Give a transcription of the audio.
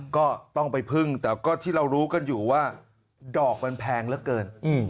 ก็ต้องไปพึ่งแต่ก็ที่เรารู้กันอยู่ว่าดอกมันแพงเหลือเกิน